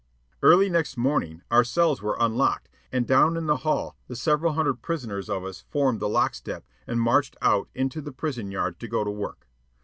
Early next morning our cells were unlocked, and down in the hall the several hundred prisoners of us formed the lock step and marched out into the prison yard to go to work.